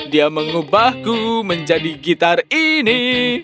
dia mengubahku menjadi gitar ini